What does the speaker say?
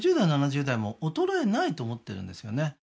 ６０代７０代も衰えないと思ってるんですよね